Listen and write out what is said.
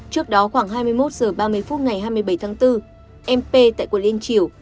trước đó khoảng hai mươi một h ba mươi phút ngày hai mươi bảy tháng bốn m tại quận liên triều